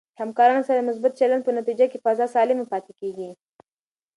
د همکارانو سره د مثبت چلند په نتیجه کې فضا سالمه پاتې کېږي.